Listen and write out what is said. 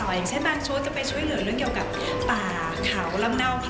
อย่างเช่นบางชุดจะไปช่วยเหลือเรื่องเกี่ยวกับป่าเขาลำเนาค่ะ